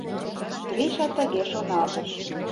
Гриша тыге шоналтыш.